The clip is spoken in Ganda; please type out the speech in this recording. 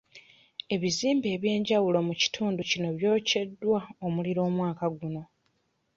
Ebizimbe eby'enjawulo mu kitundu kino byokyeddwa omuliro omwaka guno.